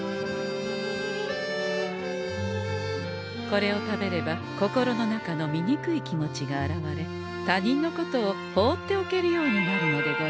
これを食べれば心の中のみにくい気持ちが洗われ他人のことを放っておけるようになるのでござんす。